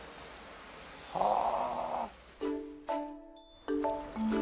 はあ。